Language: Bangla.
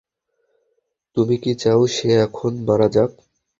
তুমি কি চাও সে এখন মারা যাক?